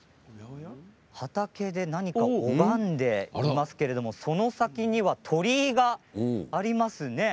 畑で何か拝んでいますけれどその先には鳥居がありますね。